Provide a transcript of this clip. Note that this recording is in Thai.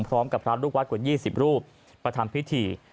พร้อมกับพระลูกวัดกว่า๒๐รูปมาทำพิธี